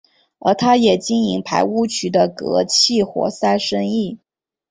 而他也经营排污渠的隔气活塞生意。